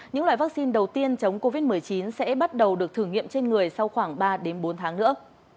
những loại vaccine đầu tiên chống covid một mươi chín sẽ bắt đầu được thử nghiệm trên người sau khoảng ba bốn tháng nữa